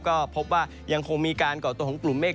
ก็พบว่ายังคงมีการก่อตัวของกลุ่มเมฆ